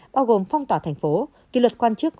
bao gồm phong tỏa thành phố kỷ luật quan chức